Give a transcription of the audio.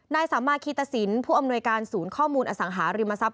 นายสามารถคีตสินผู้อำนวยการศูนย์ข้อมูลอสังหาริมทรัพย